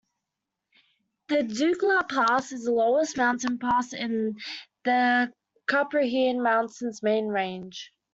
The Dukla Pass is the lowest mountain pass in the Carpathian Mountains main range.